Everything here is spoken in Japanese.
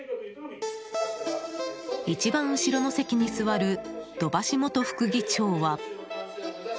一番後ろの席に座る土橋元副議長は。